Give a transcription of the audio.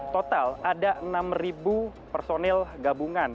total ada enam personil gabungan